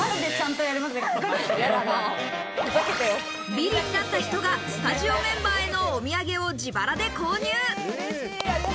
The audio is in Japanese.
ビリになった人がスタジオメンバーへのお土産を自腹で購入。